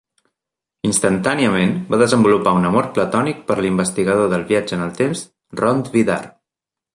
Instantàniament va desenvolupar un amor platònic per l'investigador del viatge en el temps Rond Vidar.